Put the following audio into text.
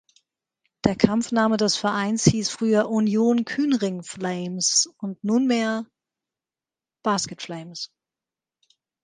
Der Kampfname des Vereins hieß früher Union Kuenring Flames und nun mehr Basket Flames.